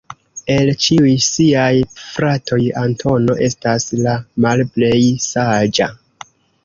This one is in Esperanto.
El ĉiuj siaj fratoj Antono estas la malplej saĝa.